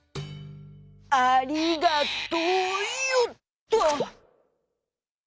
「ありがとよっと！」。